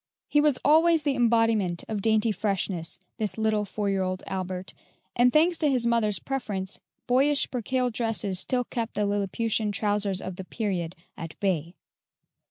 He was always the embodiment of dainty freshness, this little four year old Albert, and thanks to his mother's preference, boyish percale dresses still kept the Lilliputian trousers of the period at bay.